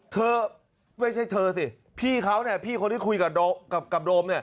เธอไม่ใช่เธอสิพี่เขาพี่คนที่คุยกับโดม